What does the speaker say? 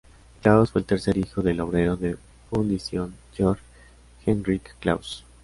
Klaus fue el tercer hijo del obrero de fundición Georg Heinrich Klaus.